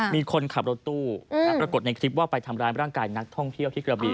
มีคนขับรถตู้ปรากฏในคลิปว่าไปทำร้ายร่างกายนักท่องเที่ยวที่กระบี